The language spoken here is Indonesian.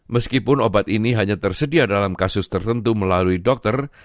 meskipun obat ini hanya tersedia dalam kasus tertentu melalui dokter